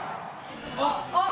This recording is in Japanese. あっ。